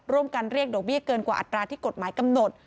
ร่วมกันเรียกดอกเบี้ยเกินกว่าอัตราที่กฎหมายกำหนด